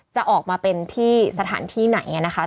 จะออกมาเป็นที่สถานที่ไหนอย่างนี้นะคะ